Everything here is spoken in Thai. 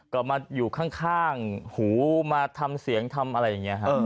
ก็มาอยู่ข้างหูมาทำเสียงทำอะไรอย่างนี้ครับ